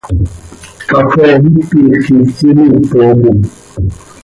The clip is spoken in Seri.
Cafee itix quih imiitopim.